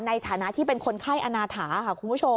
ในฐานะที่เป็นคนไข้อาณาถาค่ะ